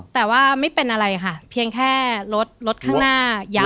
แต่ว่าไม่เป็นอะไรค่ะเพียงแค่รถรถข้างหน้ายาว